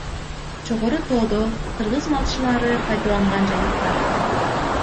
Жогору тоодо — кыргыз малчылары пайдаланган жайыт бар.